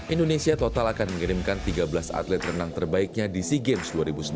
indonesia total akan mengirimkan tiga belas atlet renang terbaiknya di sea games dua ribu sembilan belas